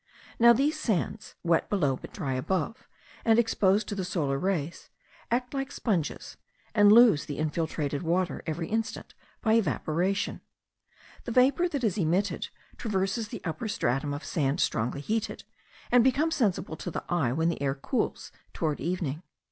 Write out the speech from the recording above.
Now these sands, wet below, but dry above, and exposed to the solar rays, act like sponges, and lose the infiltrated water every instant by evaporation. The vapour that is emitted, traverses the upper stratum of sand strongly heated, and becomes sensible to the eye when the air cools towards evening.